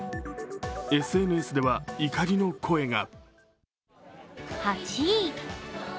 ＳＮＳでは怒りの声が。